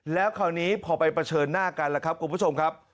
แล้วคราวนี้พอไปเผชิญหน้ากันล่ะครับคุณผู้ชมครับ